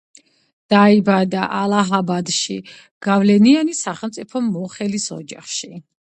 დაიბადა ალაჰაბადში, გავლენიანი სახელმწიფო მოხელის ოჯახში.